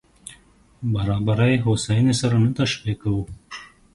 برابري هوساينې سره نه تشبیه کوو.